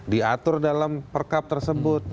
diatur dalam perkab tersebut